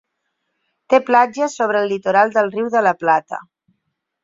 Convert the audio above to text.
Té platges sobre el litoral del Riu de la Plata.